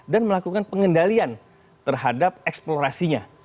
dan melakukan pengendalian terhadap eksplorasinya